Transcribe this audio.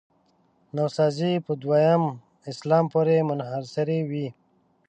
نوسازي په دویم اسلام پورې منحصروي.